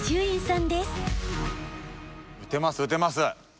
打てます打てます。